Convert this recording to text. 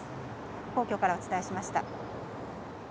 皇居からお伝えしました。